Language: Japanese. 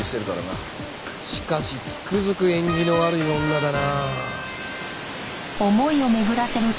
しかしつくづく縁起の悪い女だな。